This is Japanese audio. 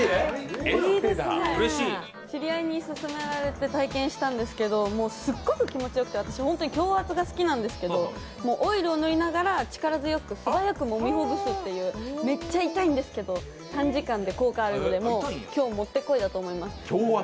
知り合いに勧められて体験したんですけど、すっごく気持ちよくて、私強圧が好きなんですけどオイルを塗りながら力強く素早くもみほぐすというめっちゃ痛いんですけど短時間で効果があるので、今日、もってこいだと思います。